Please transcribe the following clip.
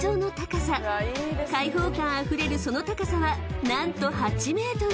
［開放感あふれるその高さは何と８ｍ］